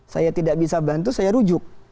saya tidak bisa bantu saya rujuk